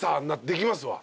できますわ。